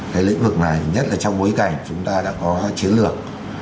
cái lĩnh vực này nhất là trong bối cảnh chúng ta đã có chiến lược